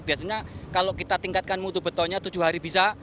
biasanya kalau kita tingkatkan mutubetonya tujuh hari bisa